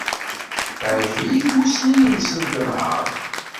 Teɛjeb-iyi tmussni-nnes n tenhaṛt.